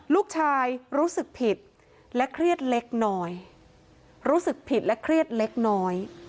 ลูกชายรู้สึกผิดและเครียดเล็กน้อย